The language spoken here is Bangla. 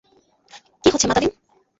কী হচ্ছে মাতাদীন?